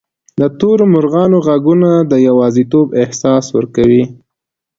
د تورو مرغانو ږغونه د یوازیتوب احساس ورکوي.